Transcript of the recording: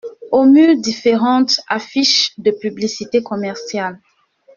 Aux murs, différentes affiches de publicité commerciale.